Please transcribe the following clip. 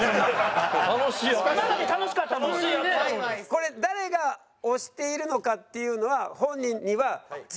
これ誰が推しているのかっていうのは本人には伝えてませんから。